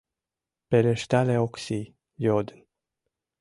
— Пелештале Оксий, йодын.